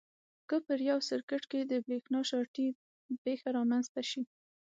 که په یو سرکټ کې د برېښنا شارټي پېښه رامنځته شي.